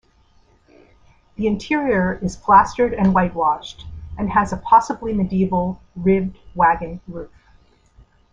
The interior is plastered and whitewashed and has a possibly medieval ribbed wagon roof.